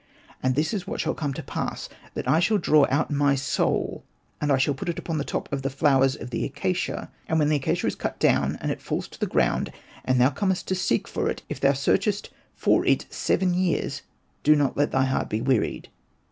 And this is what shall come to pass, that I shall draw x)ut my soul, and I shall put it upon the top of the flowers of the acacia, and when the acacia is cut down, and it falls to the ground, and thou comest to seek for it, if thou searchest for it seven years do not let thy heart be wearied.